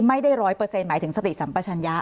ไม่ได้๑๐๐หมายถึงสติสัมปชัญญะ